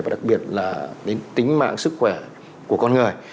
và đặc biệt là đến tính mạng sức khỏe của con người